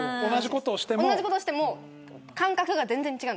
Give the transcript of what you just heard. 同じことをしても感覚が全然違う。